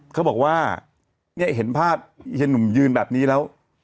เขาบอกว่าเนี่ยเห็นภาพเฮียหนุ่มยืนแบบนี้แล้ว